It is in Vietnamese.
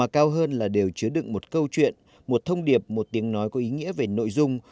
chứa đựng một câu chuyện một thông điệp một tiếng nói có ý nghĩa về nội dung